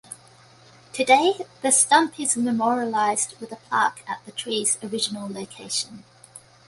Today, the stump is memorialized with a plaque at the tree's original location.